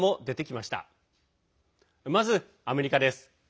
まず、アメリカです。